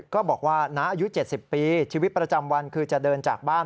ก็บอกว่าน้าอายุ๗๐ปีชีวิตประจำวันคือจะเดินจากบ้าน